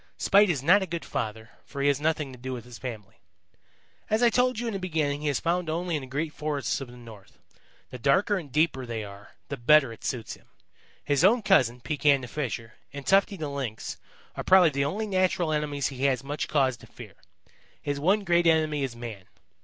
Spite is not a good father, for he has nothing to do with his family. "As I told you in the beginning he is found only in the great forests of the North. The darker and deeper they are, the better it suits him. His own cousin, Pekan the Fisher, and Tufty the Lynx, are probably the only natural enemies he has much cause to fear. His one great enemy is man.